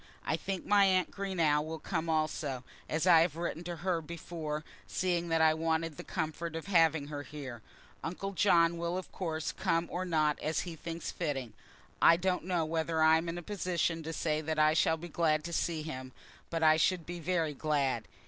I think my aunt Greenow will come also, as I had written to her before, seeing that I wanted the comfort of having her here. Uncle John will of course come or not as he thinks fitting. I don't know whether I am in a position to say that I shall be glad to see him; but I should be very glad.